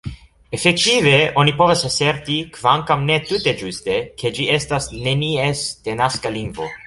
Efektive, oni povas aserti, kvankam ne tute ĝuste, ke ĝi estas nenies denaska lingvo.